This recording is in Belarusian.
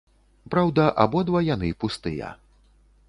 Праўда, абодва яны пустыя.